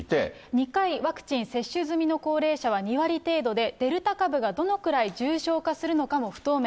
２回ワクチン接種済みの高齢者は２割程度で、デルタ株がどのくらい重症化するのかも不透明。